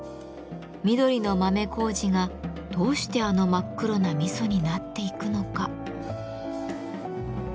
緑の豆麹がどうしてあの真っ黒な味噌になっていくのか。